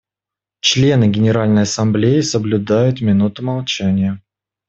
Члены Генеральной Ассамблеи соблюдают минуту молчания.